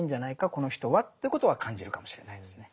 この人は」ってことは感じるかもしれないですね。